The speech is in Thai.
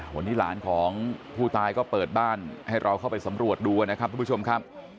วันนี้หลานของผู้ตายก็เปิดบ้านให้เราเข้าไปสำรวจดูนะครับทุกผู้ชมครับ